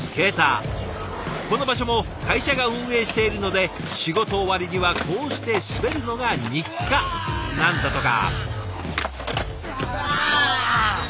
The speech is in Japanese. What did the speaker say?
この場所も会社が運営しているので仕事終わりにはこうして滑るのが日課なんだとか。